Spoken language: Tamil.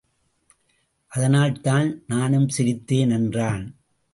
அதனால்தான் நானும் சிரித்தேன் என்றான்.